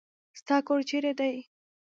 ستا کور چېري دی ؟